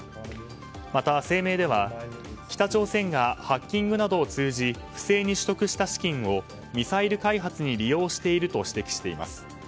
また声明では北朝鮮がハッキングなどを通じ不正に取得した資金をミサイル開発に利用していると指摘しています。